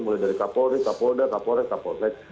mulai dari kapolres kapolda kapolres kapoltec